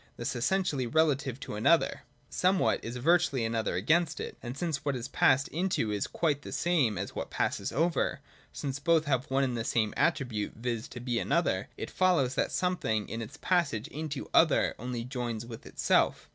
Thus essentially relative to another, somewhat is virtually an other against it : and since what is passed into is quite the same as what passes over, since both have one and the same attribute, viz. to be an other, it follows that some thing in its passage into other only joins with itself.